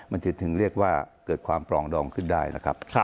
มันจะถึงเรียกว่าเกิดความปลองดองขึ้นได้นะครับ